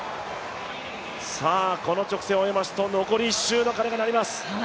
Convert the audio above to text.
この直線を終えますと残り１周の鐘が鳴ります。